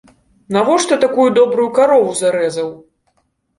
Навошта такую добрую карову зарэзаў?